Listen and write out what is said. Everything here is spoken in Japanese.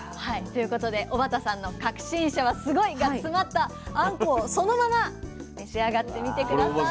ということで小幡さんの革新者はスゴイ！が詰まったあんこをそのまま召し上がってみて下さい。